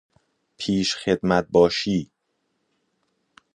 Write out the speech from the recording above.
پیش خدمت باشی